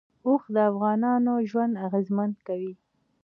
اوښ د افغانانو ژوند اغېزمن کوي.